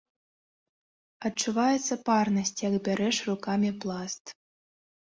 Адчуваецца парнасць, як бярэш рукамі пласт.